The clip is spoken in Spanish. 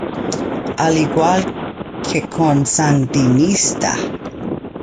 Al igual que con "Sandinista!